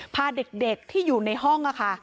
พาเด็กที่อยู่ในห้องค่ะ